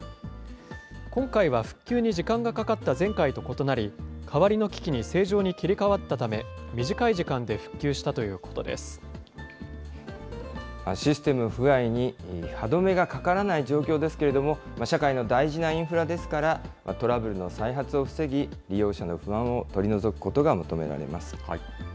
今回は復旧に時間がかかった前回と異なり、代わりの機器に正常に切り替わったため、短い時間で復旧したといシステム不具合に歯止めがかからない状況ですけれども、社会の大事なインフラですから、トラブルの再発を防ぎ、利用者の不安を取り除くことが求められます。